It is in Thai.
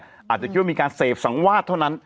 อาจจะคิดว่ามีการเสพสังวาดเท่านั้น